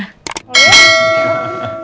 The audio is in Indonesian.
pakai kostum rabbit juga